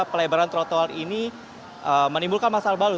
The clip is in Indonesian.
pelebaran trotoar ini menimbulkan masalah baru